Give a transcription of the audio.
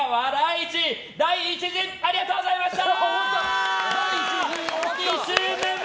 市第１陣ありがとうございました。